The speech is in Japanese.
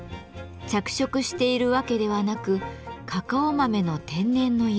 着色しているわけではなくカカオ豆の天然の色。